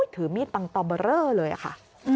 ถือมีดต่อเบอร์เรอเลยค่ะ